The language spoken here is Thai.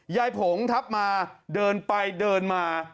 ผงทับมาเดินไปเดินมา